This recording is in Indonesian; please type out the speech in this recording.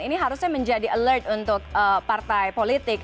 ini harusnya menjadi alert untuk partai politik